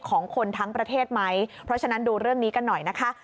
ของคนทั้งประเทศไหมเพราะฉะนั้นดูเรื่องนี้กันหน่อยนะคะ